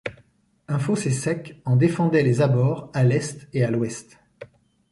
Un fossé sec en défendait les abords à l'est et à l'ouest.